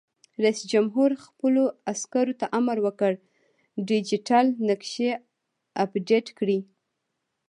رئیس جمهور خپلو عسکرو ته امر وکړ؛ ډیجیټل نقشې اپډېټ کړئ!